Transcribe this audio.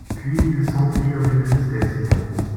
Puis ils s'emplirent d'une tristesse immense.